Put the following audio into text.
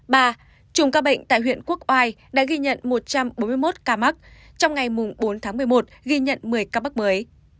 ba chủng ca bệnh tại huyện quốc oai đã ghi nhận một trăm bốn mươi một ca mắc trong ngày bốn tháng một mươi một ghi nhận một mươi ca mắc mới